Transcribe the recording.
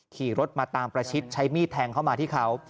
ขี่รถมาตามประชิดใช้มีดแทงเข้ามาที่เขา